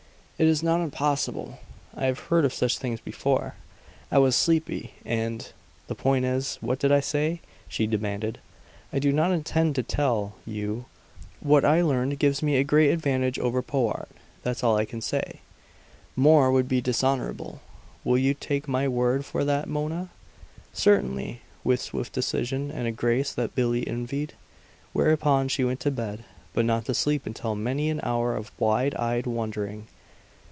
"It is not impossible. I have heard of such things before. I was sleepy, and the point is, what did I say?" she demanded. "I do not intend to tell you. What I learned gives me a great advantage over Powart; that's all I can say. More would be dishonorable. Will you take my word for that, Mona?" "Certainly," with swift decision, and a grace that Billie envied. Whereupon she went to bed, but not to sleep until after many an hour of wide eyed wondering.